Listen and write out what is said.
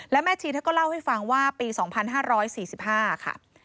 และแม่ชีเธอก็เล่าให้ฟังว่าปี๒๕๔๕ค่ะ